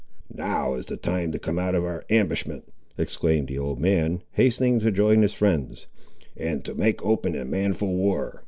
"Now is the time to come out of our ambushment," exclaimed the old man, hastening to join his friends, "and to make open and manful war.